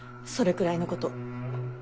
それくらいのこと。